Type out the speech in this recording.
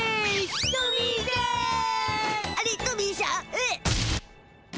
えっ？